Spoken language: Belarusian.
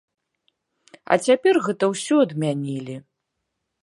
А цяпер гэта ўсё адмянілі.